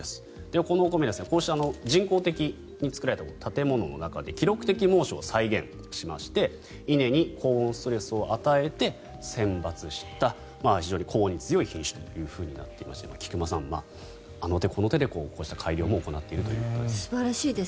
このお米、こうした人工的に作られた建物の中で記録的猛暑を再現しまして稲に高温ストレスを与えて選抜した、非常に高温に強い品種となっていまして菊間さん、あの手この手でこうした改良を行っているということです。